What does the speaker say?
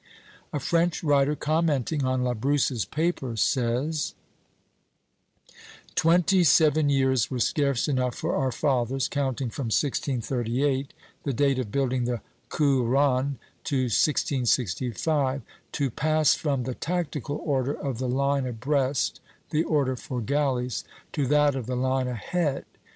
A French writer, commenting on Labrousse's paper, says: "Twenty seven years were scarce enough for our fathers, counting from 1638, the date of building the 'Couronne,' to 1665, to pass from the tactical order of the line abreast, the order for galleys, to that of the line ahead.